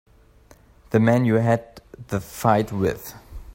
The man you had the fight with.